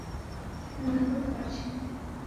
ঠিক মনে করতে পারছি না।